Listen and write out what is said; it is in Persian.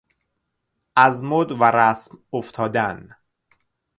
از مد و رسم افتادن